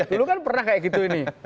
dulu kan pernah kayak gitu ini